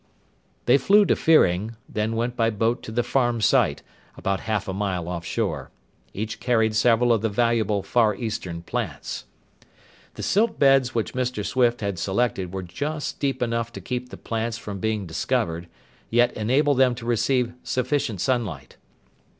'" They flew to Fearing, then went by boat to the farm site, about half a mile offshore. Each carried several of the valuable Far Eastern plants. The silt beds which Mr. Swift had selected were just deep enough to keep the plants from being discovered, yet enable them to receive sufficient sunlight.